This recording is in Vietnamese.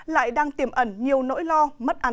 lại đang tiềm ẩn nhiều nỗi lo mất áp